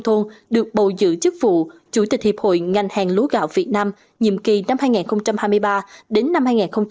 thôn được bầu giữ chức vụ chủ tịch hiệp hội ngành hàng lúa gạo việt nam nhiệm kỳ năm hai nghìn hai mươi ba hai nghìn hai mươi tám